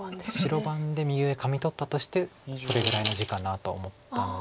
白番で右上カミ取ったとしてそれぐらいの地かなと思ったので。